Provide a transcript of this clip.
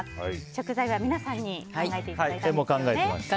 食材は皆さんに考えていただいたんですよね。